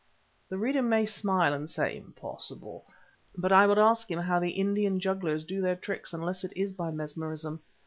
The reader may smile and say, "Impossible;" but I would ask him how the Indian jugglers do their tricks unless it is by mesmerism.